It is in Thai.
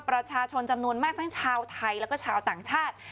ประชาชนจำนวนมากทั้งชาวไทยแล้วก็ชาวต่างชาติ